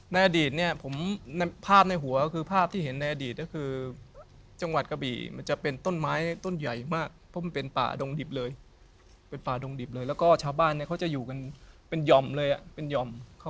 ลักษณะที่เขามาเป็นยังไงคะ